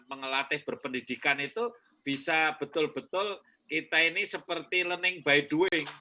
mengelatih berpendidikan itu bisa betul betul kita ini seperti learning by doing